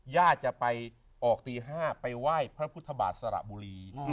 ญาติจะไปออกตี๕ไปไหว้พระพุทธบาทสระบุรี